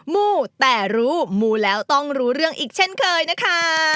มู้แต่รู้มูแล้วต้องรู้เรื่องอีกเช่นเคยนะคะ